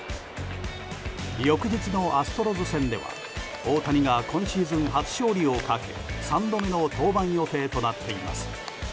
翌日のアストロズ戦では大谷が今シーズン初勝利をかけ３度目の登板予定となっています。